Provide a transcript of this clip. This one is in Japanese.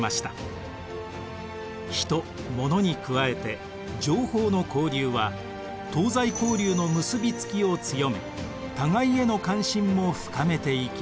人ものに加えて情報の交流は東西交流の結びつきを強め互いへの関心も深めていきました。